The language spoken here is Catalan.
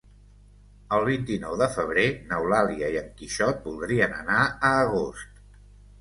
El vint-i-nou de febrer n'Eulàlia i en Quixot voldrien anar a Agost.